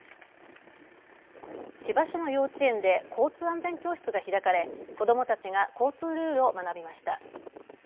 千葉市の幼稚園で交通安全教室が開かれ子どもたちが交通ルールを学びました。